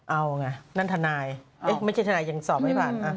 เอาไงนั่นทนายไม่ใช่ทนายยังสอบไม่ผ่าน